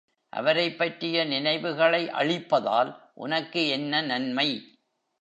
அவரைப் பற்றிய நினைவுகளை அழிப்பதால் உனக்கு என்ன நன்மை?